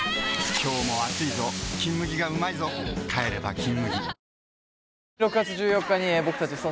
今日も暑いぞ「金麦」がうまいぞ帰れば「金麦」リリースされます